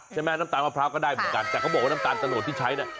ใช่ไหมน้ำตาลมะพร้าก็ได้เหมือนกันแต่เขาบอกว่าน้ำตาลตะโหดที่ใช้